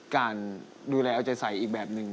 การดูแลเอาใจใส่อีกแบบหนึ่ง